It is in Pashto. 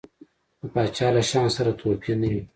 د پاچا له شانه سره تحفې نه وي.